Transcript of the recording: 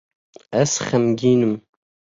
Ez xemgîn im.